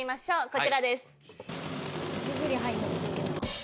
こちらです。